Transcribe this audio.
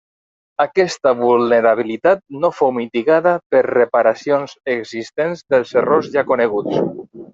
Aquesta vulnerabilitat no fou mitigada per reparacions existents dels errors ja coneguts.